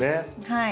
はい。